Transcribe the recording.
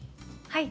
はい！